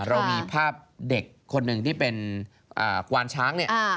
เรามีภาพเด็กคนหนึ่งที่เป็นควานช้างเนี่ย